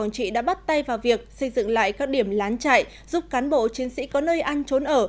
trị đã bắt tay vào việc xây dựng lại các điểm lán chạy giúp cán bộ chiến sĩ có nơi ăn trốn ở